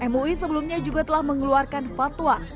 mui sebelumnya juga telah mengeluarkan fatwa